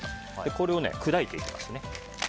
これを砕いていきます。